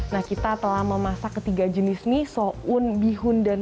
nah kita telah memasak ketiga jenis mie so'un bihun dan mie kering